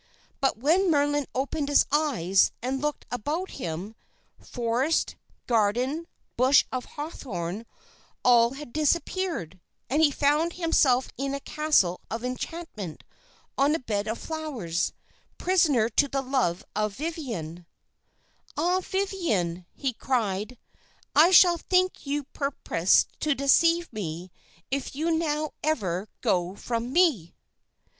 But when Merlin opened his eyes and looked about him, forest, garden, bush of hawthorn all had disappeared, and he found himself in a castle of enchantment, on a bed of flowers, prisoner to the love of Viviane. "'Ah, Viviane,' he cried, 'I shall think you purposed to deceive me if you now ever go from me!'